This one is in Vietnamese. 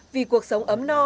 vì cuộc sống ấm no